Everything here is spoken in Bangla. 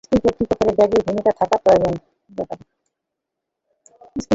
স্কুল কর্তৃপক্ষেরও এ ব্যাপারে ভূমিকা থাকা প্রয়োজন।